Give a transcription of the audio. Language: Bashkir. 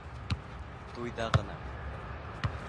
Туйҙа ғына!